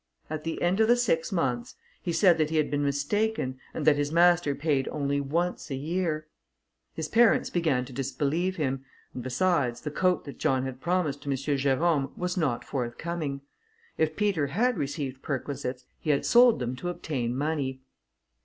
At the end of the six months, he said that he had been mistaken, and that his master paid only once a year. His parents began to disbelieve him, and, besides, the coat that John had promised to M. Jerôme was not forthcoming. If Peter had received perquisites, he had sold them to obtain money.